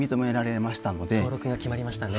登録が決まりましたね。